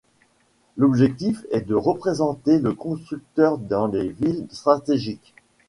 L'objectif est de représenter le constructeur dans les villes stratégiques.